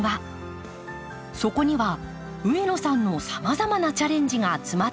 そこには上野さんのさまざまなチャレンジが詰まっています。